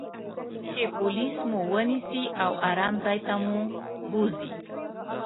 چې پولیس مو و نییسي او آرام ځای ته مو بوزي.